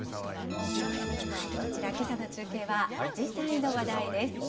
こちら、けさの中継はアジサイの話題です。